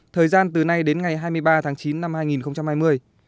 thời gian từ nay đến ngày hai mươi ba tháng chín năm hai nghìn hai mươi